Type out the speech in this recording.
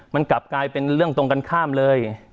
มันกลับกลายเป็นเรื่องตรงกันข้ามเลย